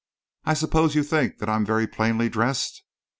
"I suppose you think that I am very plainly dressed?"